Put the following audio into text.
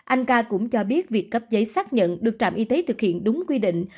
anh ca cũng cho biết việc cấp giấy xác nhận được trạm y tế thực hiện đúng quy định